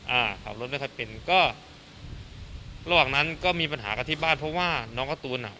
อ่าขับรถไม่ค่อยเป็นก็ระหว่างนั้นก็มีปัญหากันที่บ้านเพราะว่าน้องการ์ตูนอ่ะ